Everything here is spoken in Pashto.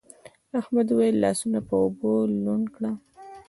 احمد وويل: لاسونه په اوبو لوند کړه.